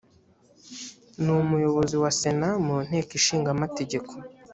ni umuyobozi wa sena mu nteko ishinga amategeko